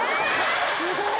すごい。